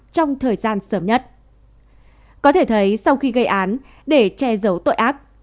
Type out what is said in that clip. trong thời gian sớm nhất có thể thấy sau khi gây án để che giấu tội ác